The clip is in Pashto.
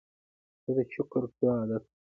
زه د شکر کښلو عادت لرم.